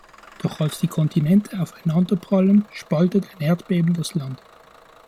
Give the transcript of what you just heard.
Doch als die Kontinente aufeinanderprallen, spaltet ein Erdbeben das Land.